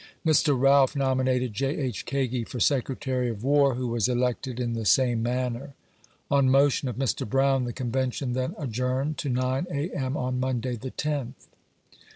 Mr. Realf nominated J. H. Kagi for Secretary of "War, who was elected in the same manner. On motion of Mr. Brown, the Convention then adjourned to 9, A. M , on Monday, the 10 th.